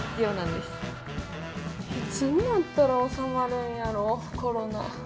いつになったら収まるんやろコロナ。